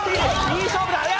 いい勝負だ。